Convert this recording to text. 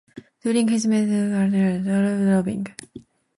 During his mandate Martin vocally campaigned for transparency and against lobbying.